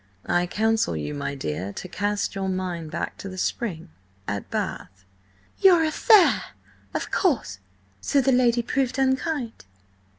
"I counsel you, my dear, to cast your mind back to the spring–at Bath." "Your affaire! Of course! So the lady proved unkind?"